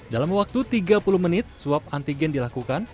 dalam waktu tiga puluh menit swab antigen dilakukan